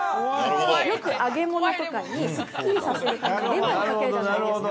◆よく揚げ物とかにすっきりさせるためにレモンかけるじゃないですか。